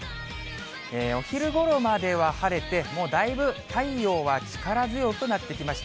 お昼ごろまでは晴れてもうだいぶ太陽が力強くなってきました。